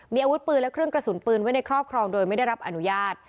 มีอาวุธปืนและเครื่องกระสุนปืนไว้ในครอบครองโดยไม่ได้รับอนุญาต